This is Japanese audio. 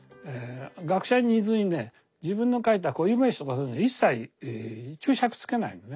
学者に似ずにね自分の書いた固有名詞とかそういうの一切注釈つけないのね。